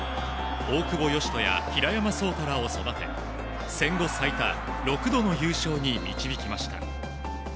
大久保嘉人らを育て戦後最多、６度の優勝に導きました。